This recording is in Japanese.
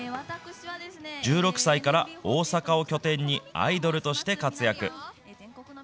１６歳から大阪を拠点にアイドルとして活躍。